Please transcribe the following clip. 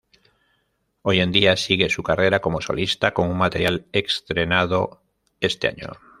Hoy en día sigue su carrera como solista con un material estrenado este año.